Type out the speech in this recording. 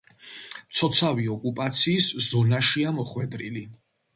მცოცავი ოკუპაციის ზონაშია მოხვედრილი.